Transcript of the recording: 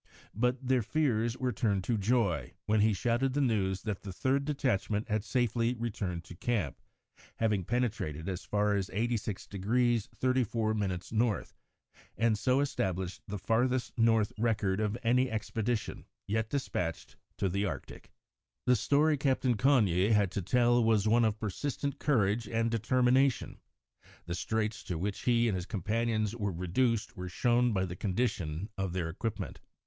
But their fears were turned to joy when he shouted the news that the third detachment had safely returned to camp, having penetrated as far as 86° 34' N., and so established the "farthest north" record of any expedition yet despatched to the Arctic. The story Captain Cagni had to tell was one of persistent courage and determination. The straits to which he and his companions were reduced were shown by the condition of their equipment.